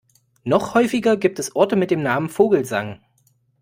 Noch häufiger gibt es Orte mit dem Namen Vogelsang.